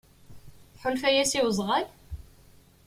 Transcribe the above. Tḥulfa-yas i wezɣal?